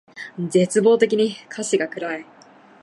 絶望的に歌詞が暗い